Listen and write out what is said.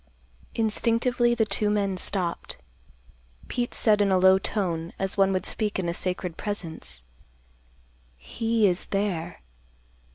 Instinctively the two men stopped. Pete said in a low tone, as one would speak in a sacred presence, "He is there.